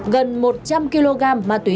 gần một trăm linh kg ma túy